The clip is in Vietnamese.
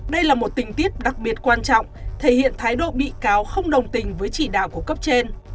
đây là một tình tiết đặc biệt quan trọng thể hiện thái độ bị cáo không đồng tình với chỉ đạo của cấp trên